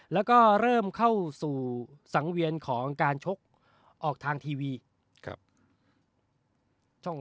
แล้วก็เริ่มเข้าสู่สังเวียนของการชกออกทางทีวี